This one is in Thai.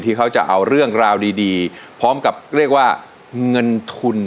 ที่เขาจะเอาเรื่องราวดีพร้อมกับเรียกว่าเงินทุน